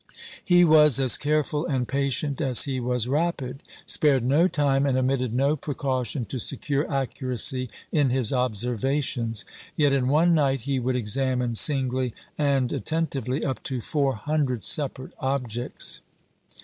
He was as careful and patient as he was rapid; spared no time and omitted no precaution to secure accuracy in his observations; yet in one night he would examine, singly and attentively, up to 400 separate objects.